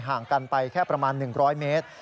ห่างกันไปแค่ประมาณ๑๐๐เมตร